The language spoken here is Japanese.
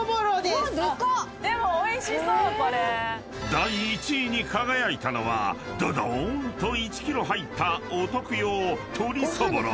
［第１位に輝いたのはどどーんと１ｋｇ入ったお徳用鶏そぼろ。